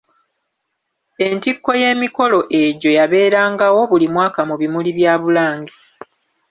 Entikko y’emikolo egyo yabeerangawo buli mwaka mu bimuli bya Bulange.